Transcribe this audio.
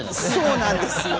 そうなんですよ。